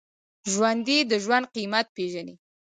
ژوندي د ژوند قېمت پېژني